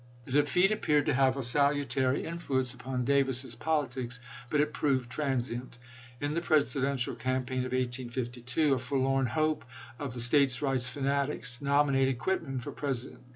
The defeat appeared to have a salutary influence upon Davis's politics, but it proved transient. In the Presidential campaign of 1852 a forlorn hope of the States rights fanatics nominated Quitman for President.